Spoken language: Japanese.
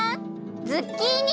ズッキーニ！